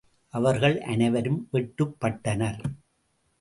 அவர்கள் அனைவரும் வெட்டுப்பட்டனர்.